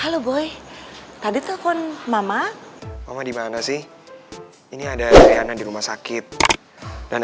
halo boy tadi telepon mama mama dimana sih ini ada riana di rumah sakit dan